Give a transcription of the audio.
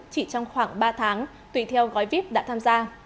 chỉ trong khoảng ba tháng tùy theo gói vip đã tham gia